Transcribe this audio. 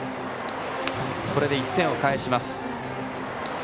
これで１点を返します。